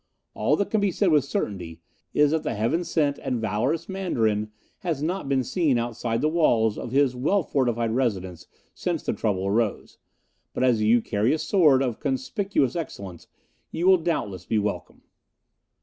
All that can be said with certainty is that the Heaven sent and valorous Mandarin has not been seen outside the walls of his well fortified residence since the trouble arose; but, as you carry a sword of conspicuous excellence, you will doubtless be welcome."